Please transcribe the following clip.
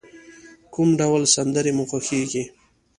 کوم ډول سندری مو خوښیږی؟